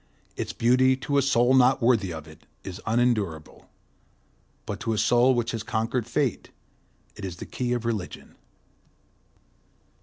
Its beauty, to a soul not worthy of it, is unendurable; but to a soul which has conquered Fate it is the key of religion.